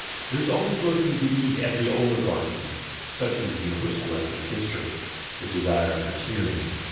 There is always lurking beneath every oligarchy— such is the universal lesson of history — the desire for tyranny.